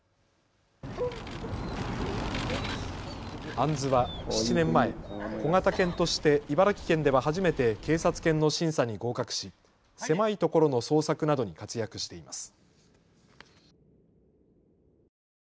アンズは７年前、小型犬として茨城県では初めて警察犬の審査に合格し、狭いところの捜索などに活躍しています。